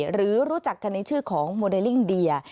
หรือรู้จักกันในชื่อของโมเดลลิ่งเดีย